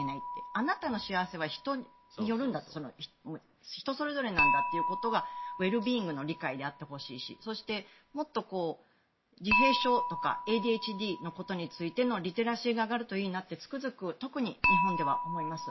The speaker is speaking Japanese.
あなたの幸せは人それぞれなんだということがウェルビーイングの理解であってほしいしそしてもっと自閉症とかＡＤＨＤについてのリテラシーが上がるといいなってつくづく特に日本では思います。